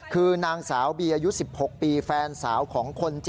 คือนางสาวบีอายุ๑๖ปีแฟนสาวของคนเจ็บ